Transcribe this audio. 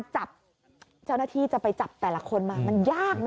จับเจ้าหน้าที่จะไปจับแต่ละคนมามันยากนะ